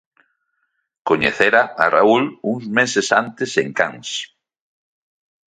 Coñecera a Raúl uns meses antes en Cans.